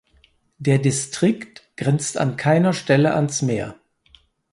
Der Distrikt grenzt an keiner Stelle ans Meer.